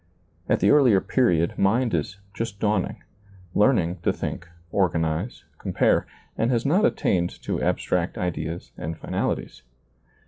At the earlier period mind is just dawning, learning to think, oi^anize, compare, and has not attained to abstract ideas and finalities.